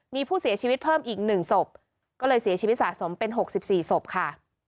มีผู้เสียชีวิตเพิ่มอีก๑ศพก็เลยเสียชีวิตสะสมเป็น๖๔ศพค่ะ